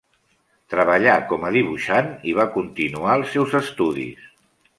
Treballà com a dibuixant i va continuar els seus estudis.